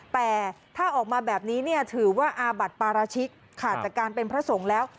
แต่ถ้าออกมาแบบนี้เนี่ยถือว่าอาบัติปาราชิกขาดจากการเป็นพระสงฆ์แล้ว